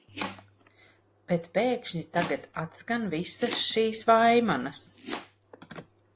Bet pēkšņi tagad atskan visas šīs vaimanas.